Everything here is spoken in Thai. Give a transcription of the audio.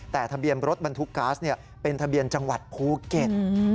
แต่ทะเบียนรถบรรทุกก๊าซเป็นทะเบียนจังหวัดภูเก็ต